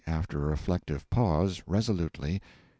(After a reflective pause, resolutely.)